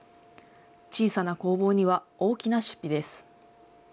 小さな工房には、大きな出費です。